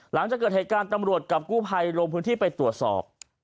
หลังจากเกิดเหตุการณ์ตำรวจกับกู้ภัยลงพื้นที่ไปตรวจสอบ